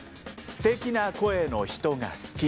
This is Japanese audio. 「すてきな声の人が好き」。